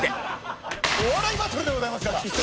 お笑いバトルでございますから！